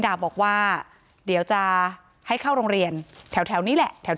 ทั้งครูก็มีค่าแรงรวมกันเดือนละประมาณ๗๐๐๐กว่าบาท